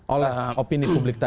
oleh opini publik tadi